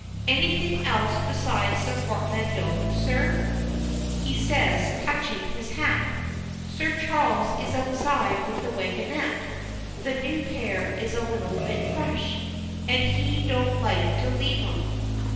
"Anything else beside the portmanteau, sir?" he says, touching his hat. "Sir Charles is outside with the waggonette; the new pair is a little bit fresh, and he don't like to leave 'em."